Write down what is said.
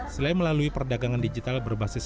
selain melalui perdagangan digital berbasis